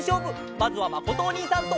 まずはまことおにいさんと。